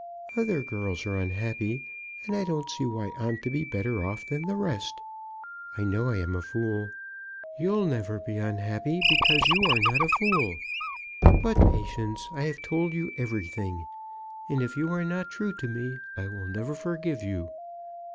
"Other girls are unhappy, and I don't see why I'm to be better off than the rest. I know I am a fool. You'll never be unhappy, because you are not a fool. But, Patience, I have told you everything, and if you are not true to me I will never forgive you."